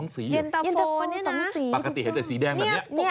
๒สีเย็นตะโฟ๒สีถูกต้มปกติเห็นแต่สีแดงแบบนี้